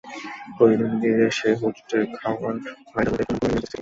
প্রতিদ্বন্দ্বীদের সেই হোঁচটের খাওয়ার ফায়দা তুলতে কোনো ভুল হয়নি ম্যানচেস্টার সিটির।